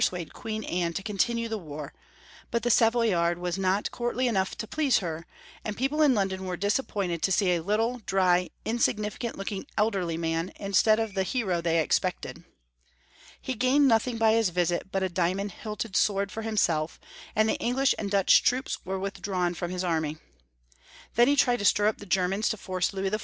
S85 suade Queen Anne to continue the war, but the Savoyard was not courtly enough to please her, and people in London were disappointed to see a little, ' dry, insignificant looking elderly man instead of the hero they expected. He gained nothing by bis visit but a diainoud hilted sword for hunself, and 386 Young Folks^ Sistory of Q ermany, the English and Dutch troops were withdrawn from his army. . Then he tried to stir up the Germans to force Louis XIV.